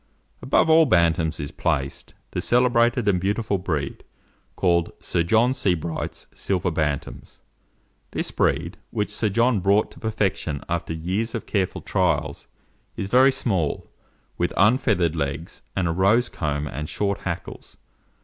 Above all Bantams is placed, the celebrated and beautiful breed called Sir John Sebright's Silver Bantams. This breed, which Sir John brought to perfection after years of careful trials, is very small, with un feathered legs, and a rose comb and short hackles.